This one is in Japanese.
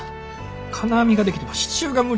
金網ができても支柱が無理や。